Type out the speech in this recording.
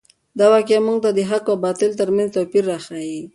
دا واقعه موږ ته د حق او باطل تر منځ توپیر راښیي.